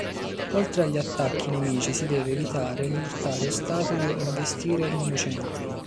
Oltre agli attacchi nemici si deve evitare di urtare ostacoli o investire innocenti.